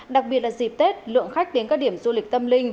đặc biệt là dịp tết lượng khách đến các điểm du lịch tâm linh